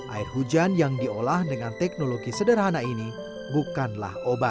air hujan yang diolah dengan teknologi sederhana ini bukanlah obat